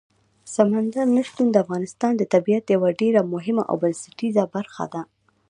سمندر نه شتون د افغانستان د طبیعت یوه ډېره مهمه او بنسټیزه برخه ده.